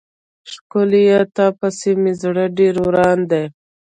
ښکليه تا پسې مې زړه ډير وران دی.